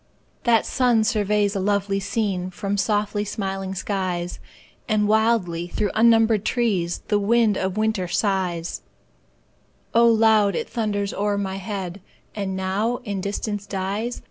That sun surveys a lovely scene From softly smiling skies; And wildly through unnumbered trees The wind of winter sighs: Now loud, it thunders o'er my head, And now in distance dies.